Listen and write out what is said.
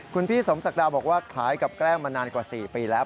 คุณพี่สมศักดาบอกว่าขายกับแกล้งมานานกว่า๔ปีแล้ว